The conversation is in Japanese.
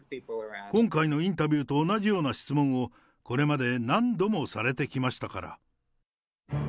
今回のインタビューと同じような質問を、これまで何度もされてきましたから。